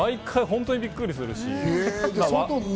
毎回、本当にびっくりするし。